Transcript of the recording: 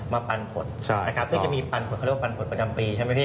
ปันผลนะครับซึ่งจะมีปันผลเขาเรียกว่าปันผลประจำปีใช่ไหมพี่